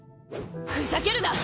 ふざけるな！